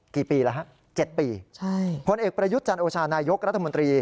กี่ปีแล้วฮะ๗ปีใช่พลเอกประยุทธ์จันโอชานายกรัฐมนตรี